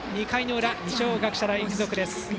２回裏、二松学舎大付属です。